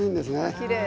きれい！